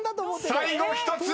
［最後１つ